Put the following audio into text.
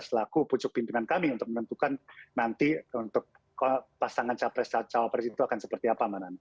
selaku pucuk pimpinan kami untuk menentukan nanti pasangan cawapres itu akan seperti apa manan